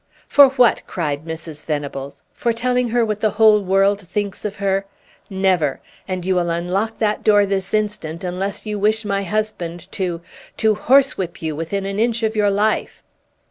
"For what?" cried Mrs. Venables. "For telling her what the whole world thinks of her? Never; and you will unlock that door this instant, unless you wish my husband to to horsewhip you within an inch of your life!"